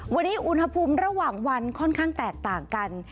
วันนี้อุณหภูมิระหว่างวันค่อนข้างแตกต่างกัน